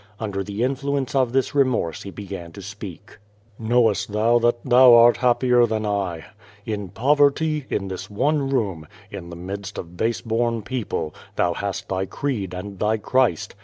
Under the influence of this remorse he began to speak: QVO VADI8. 509 ^Mvnowest thou that thou art haj)pior tlian I. In poverty, in this one room, in the midst of base born people, thou hast th}' creed and thy Christ.